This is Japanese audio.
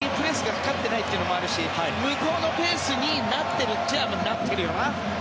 中盤にプレスがかかっていないというのもあるし向こうのペースになっているといえばなってるよな。